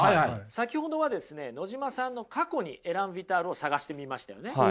先ほどはですね野島さんの過去にエラン・ヴィタールを探してみましたよね。